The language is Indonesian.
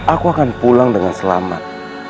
aku akan pulang dengan selamat